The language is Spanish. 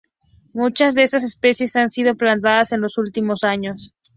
Muchas de estas especies han sido plantadas en los últimos años.